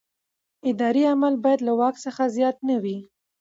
اداري عمل باید له واک څخه زیات نه وي.